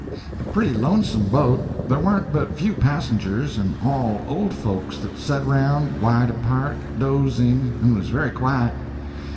A pretty lonesome boat; there warn't but few passengers, and all old folks, that set around, wide apart, dozing, and was very quiet.